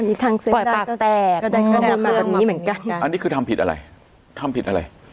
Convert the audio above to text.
อันนี้ทางปล่อยปากแตกอันนี้คือทำผิดอะไรทำผิดอะไร